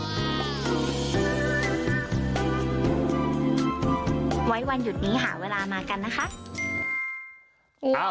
ไว้วันหยุดนี้หาเวลามากันนะคะ